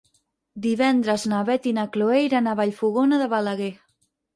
Divendres na Beth i na Chloé iran a Vallfogona de Balaguer.